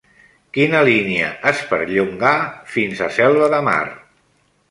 Quina línia es perllongà fins a Selva de Mar?